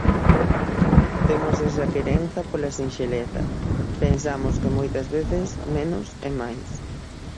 Temos esa querenza pola sinxeleza, pensamos que moitas veces menos é máis.